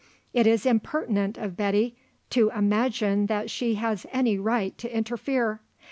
It is impertinent of Betty to imagine that she has any right to interfere.